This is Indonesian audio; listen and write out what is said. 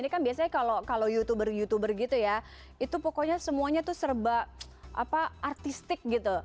ini kan biasanya kalau youtuber youtuber gitu ya itu pokoknya semuanya tuh serba apa artistik gitu